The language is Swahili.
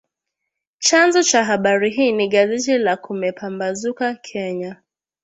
Chanzo cha habari hii ni gazeti la Kumepambazuka, Kenya